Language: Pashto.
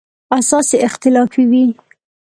اساس یې اختلافي وي.